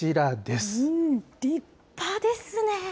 立派ですね。